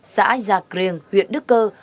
xã gia crêng huyện đức cơ